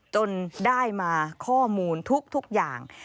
จนได้มาข้อมูลทุกอย่าง